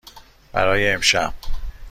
برای امشب.